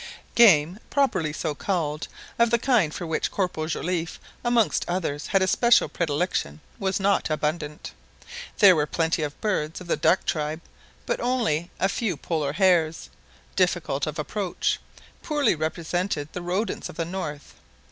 Game, properly so called, of the kind for which Corporal Joliffe amongst others had a special predilection, was not abundant. There were plenty of birds of the duck tribe; but only a few Polar hares, difficult of approach, poorly represented the rodents of the north.